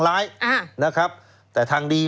ใครคือน้องใบเตย